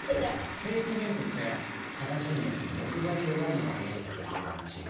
フェイクニュースって正しいニュースの６倍広がるのが早いって研究があるらしいよ。